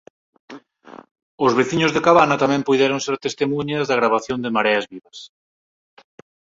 Os veciños de Cabana tamén puideron ser testemuñas da gravación de "Mareas vivas".